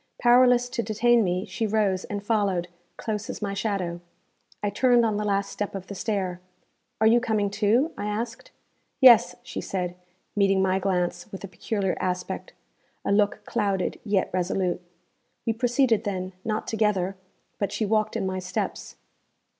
Powerless to detain me, she rose and followed, close as my shadow. I turned on the last step of the stair. 'Are you coming too?' I asked. 'Yes,' she said, meeting my glance with a peculiar aspect a look clouded, yet resolute. We proceeded then, not together, but she walked in my steps.